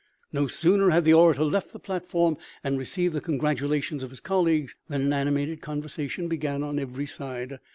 No sooner had the orator left the platform and received the congratulations of his colleagues than an animated conversation began on every side.